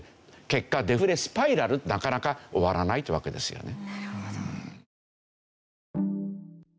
結果デフレスパイラルなかなか終わらないというわけですよね。